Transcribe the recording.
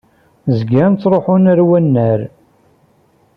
Zgan ttṛuḥun ar wannar.